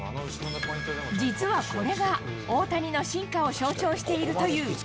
実はこれが大谷の進化を象徴しているという。